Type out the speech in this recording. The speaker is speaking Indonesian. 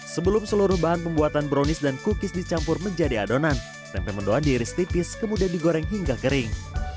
sebelum seluruh bahan pembuatan brownies dan cookies dicampur menjadi adonan tempe mendoan diiris tipis kemudian digoreng hingga kering